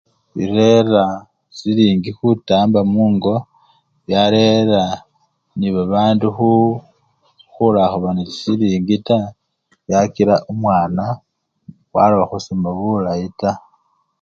Birera silingi khutamba mungo, yarera nebabandu khu! khula khuba nechisilingi taa byakila omwana walakhusoma bulayi taa.